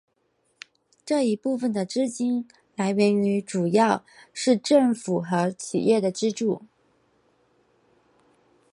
这一部分的资金来源主要是政府和企业资助。